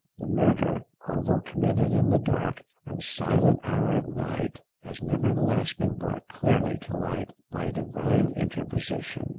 The murder, although committed in the dark and silent hour of night, has nevertheless been brought clearly to light by Divine interposition.